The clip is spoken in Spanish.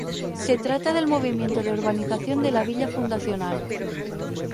Se trata del momento de urbanización de la villa fundacional.